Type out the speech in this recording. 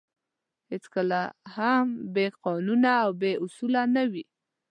هېڅکله هم بې قانونه او بې اُصولو نه وې.